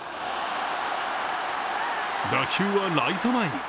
打球はライト前に。